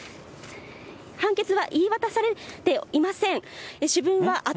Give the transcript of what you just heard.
判決は言い渡されていません。